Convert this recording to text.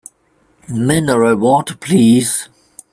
Mineral water please!